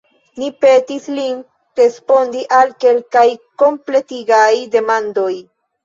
Ni petis lin respondi al kelkaj kompletigaj demandoj.